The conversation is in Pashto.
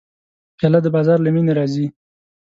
پیاله د بازار له مینې راځي.